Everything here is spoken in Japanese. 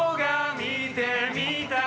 見てみたい